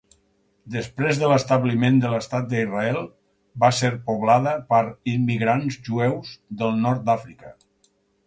Després de l'establiment de l'Estat d'Israel, va ser poblada per immigrants jueus del Nord d'Àfrica.